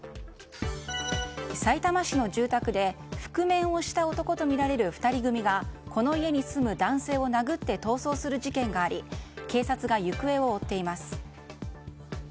さいたま市の住宅で覆面をした男とみられる２人組がこの家に住む男性を殴って逃走する事件があり警察が行方を追っています。